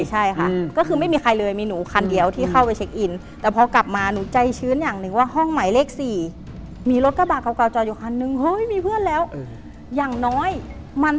ใช่ค่ะก็คือไม่มีใครเลยมีหนูครั้งเดียวที่เข้าไปเช็คอิน